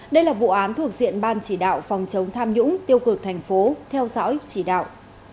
đại diện ban chỉ đạo phòng chống tham nhũng tiêu cực thành phố theo dõi chỉ đạo